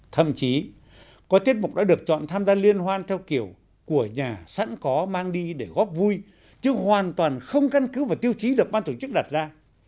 thậm chí có tiết mục đã được chọn tham gia liên hoan theo kiểu của nhà sẵn có mang đi để góp vui chứ hoàn toàn không căn cứ vào tiêu chí được ban tổ chức đặt ra